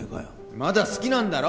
まだ好きなんだろ！？